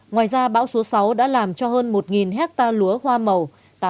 ngoài ra bão số sáu đã làm cho hơn một hectare lúa hoa màu